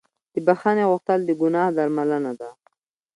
د بښنې غوښتل د ګناه درملنه ده.